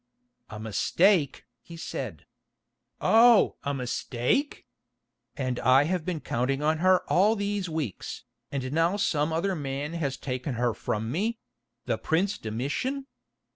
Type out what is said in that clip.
"A mistake——" he said. "Oh! a mistake? And I have been counting on her all these weeks, and now some other man has taken her from me—the prince Domitian.